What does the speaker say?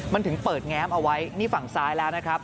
มันถึงเปิดแง้มเอาไว้นี่ฝั่งซ้ายแล้วนะครับ